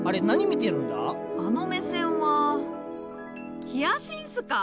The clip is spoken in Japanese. あの目線はヒアシンスか？